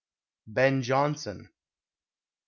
Ben Jonson.